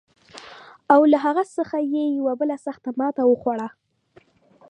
او له هغه څخه یې یوه بله سخته ماته وخوړه.